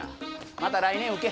また来年受け。